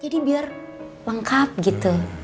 jadi biar lengkap gitu